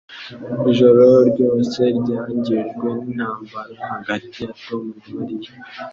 Ijoro ryose ryangijwe nintambara hagati ya Tom na Mariya